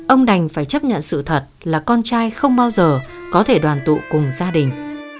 ông đành phải chấp nhận sự thật là con trai không bao giờ có thể đoàn tụ cùng gia đình